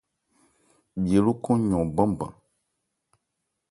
Bhye lókɔn yɔn banban.